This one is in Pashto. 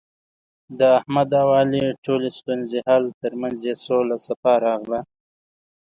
د احمد او علي ټولې ستونزې حل، ترمنځ یې سوله صفا راغله.